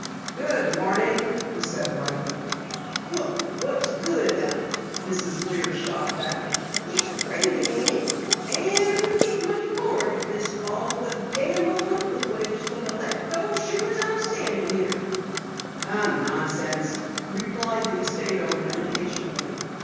"Good morning," he said brightly. "Humph! What's good about it?" Mrs. Lear shot back. "It's rainin', ain't it? And if we git much more o' it this fall, the dam up Huntley way's goin' to let go shore as I'm a standin' here." "Nonsense!" replied the estate owner impatiently.